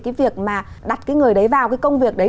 cái việc mà đặt cái người đấy vào cái công việc đấy